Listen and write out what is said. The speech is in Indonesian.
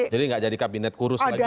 jadi nggak jadi kabinet kurus lagi ya kan